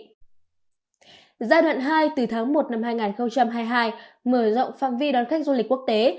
giai đoạn hai từ tháng một năm hai nghìn hai mươi hai mở rộng phạm vi đón khách du lịch quốc tế